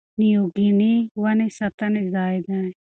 نیو ګیني ونې ساتنې ځای دی.